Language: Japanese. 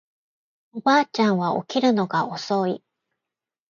おばあちゃんは起きるのが遅い